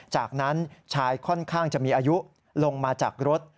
จากนั้นชายค่อนข้างจะมีอายุลงมาจากรถ